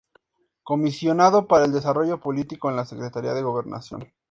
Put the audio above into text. Comisionado para el Desarrollo Político en la Secretaría de Gobernación.